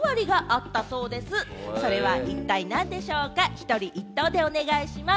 １人１答でお願いします。